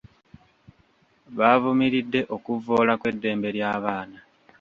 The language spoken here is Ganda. Baavumiridde okuvvoola kw'eddembe ly'abaana.